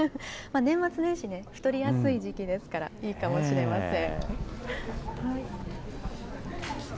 年末年始、太りやすい時期ですから、いいかもしれません。